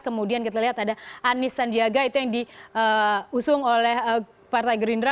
kemudian kita lihat ada anies sandiaga itu yang diusung oleh partai gerindra